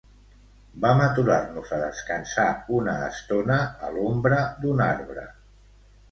Vam aturar-nos a descansar una estona a l'ombra d'un arbre.